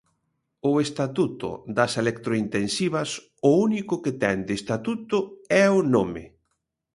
O estatuto das electrointensivas o único que ten de estatuto é o nome.